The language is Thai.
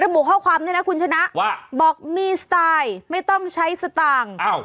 บุข้อความด้วยนะคุณชนะว่าบอกมีสไตล์ไม่ต้องใช้สตางค์